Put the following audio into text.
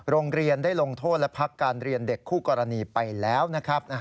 โรงเรียนได้ลงโทษและพักการเรียนเด็กคู่กรณีไปแล้วนะครับ